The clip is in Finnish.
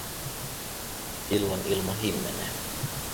Illan ilma himmenee.